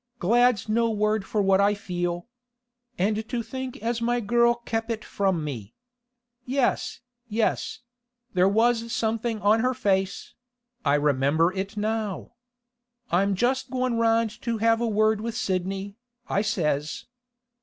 Glad's no word for what I feel. And to think as my girl kep' it from me! Yes, yes; there was something on her face; I remember it now. "I'm just goin' round to have a word with Sidney," I says.